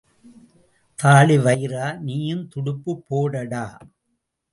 தாழிவயிறா, நீயும் துடுப்புப் போடடா!